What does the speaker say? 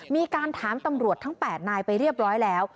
มีการถามตำรวจทั้ง๘นายไปเรียบร้อยแล้ว